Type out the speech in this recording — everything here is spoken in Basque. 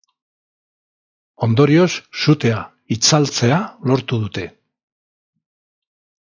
Ondorioz, sutea itzaltzea lortu dute.